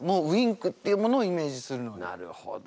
なるほど。